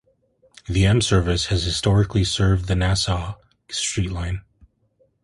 The M service has historically served the Nassau Street Line.